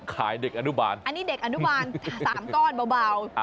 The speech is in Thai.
เด็กอนุบาลอันนี้เด็กอนุบาล๓ก้อนเบา